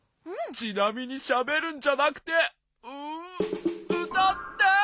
ちなみにしゃべるんじゃなくてうたって！